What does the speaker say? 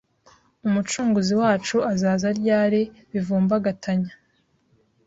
Umucunguzi wacu azaza ryari bivumbagatanya